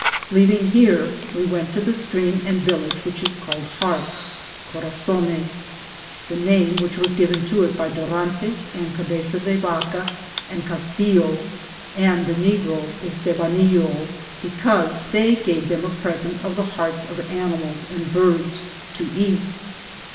Leaving here, we went to the stream and village which is called Hearts (Corazones), the name which was given it by Dorantes and Oabeza de Vaca and Castillo and the negro Eatebanillo, be cause they gave them a present of the hearts of minntf and birds to eat.